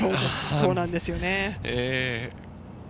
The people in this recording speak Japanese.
そうなんですよね。